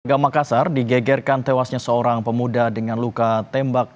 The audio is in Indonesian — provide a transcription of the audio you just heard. gam makassar digegerkan tewasnya seorang pemuda dengan luka tembak